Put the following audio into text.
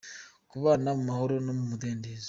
kubana mu mahoro no mu mudendezo.